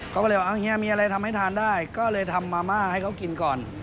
เขาก็เลยว่าเอาเฮียมีอะไรทำให้ทานได้ก็เลยทำมาม่าให้เขากินก่อน